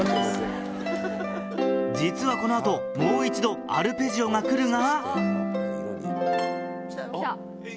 実はこの後もう一度アルペジオが来るが。